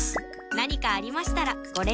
何かありましたらご連絡を！